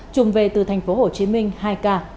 chùm về từ tp hcm hai ca